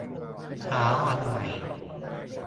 เช้าวันใหม่